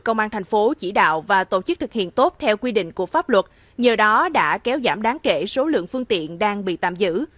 công an tp hcm đã được công an tp hcm chỉ đạo và tổ chức thực hiện tốt theo quy định của pháp luật nhờ đó đã kéo giảm đáng kể số lượng phương tiện đang bị tạm giữ